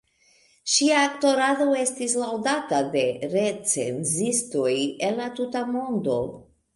Ŝia aktorado estis laŭdata de recenzistoj el la tuta mondo.